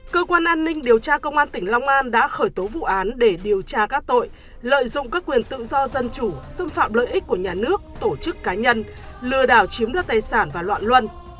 cơ quan an ninh điều tra công an tỉnh long an đã khởi tố vụ án để điều tra các tội lợi dụng các quyền tự do dân chủ xâm phạm lợi ích của nhà nước tổ chức cá nhân lừa đảo chiếm đoạt tài sản và loạn luân